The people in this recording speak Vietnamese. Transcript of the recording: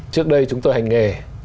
trước đây chúng tôi hành nghề